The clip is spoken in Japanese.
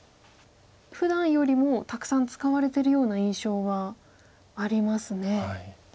ふだんよりもたくさん使われてるような印象はありますね。